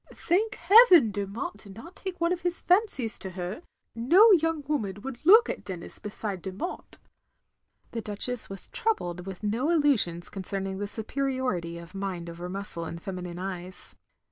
Thank heaven Dermot did not take one of his fancies to her; no young woman wotdd look at Denis beside Dermot," the Duchess was troubled with no illusions concerning the superiority of mind over muscle in feminine eyes.